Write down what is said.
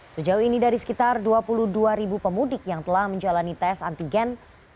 sejauh ini dari sekitar dua puluh dua ribu pemudik yang telah menjalani tes antigen